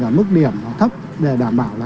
ở mức điểm thấp để đảm bảo là